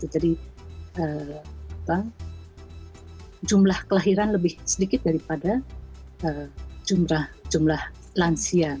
jadi jumlah kelahiran lebih sedikit daripada jumlah lansia